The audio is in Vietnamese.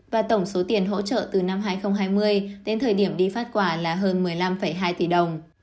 và tổng số tiền hỗ trợ từ năm hai nghìn hai mươi đến thời điểm đi phát quả là hơn một mươi năm hai tỷ đồng